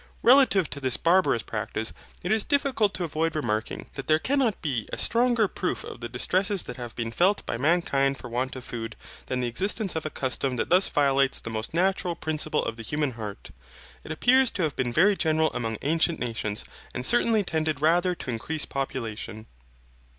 Relative to this barbarous practice, it is difficult to avoid remarking, that there cannot be a stronger proof of the distresses that have been felt by mankind for want of food, than the existence of a custom that thus violates the most natural principle of the human heart. It appears to have been very general among ancient nations, and certainly tended rather to increase population.